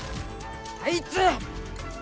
あいつ！